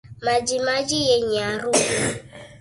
Majimaji yenye harufu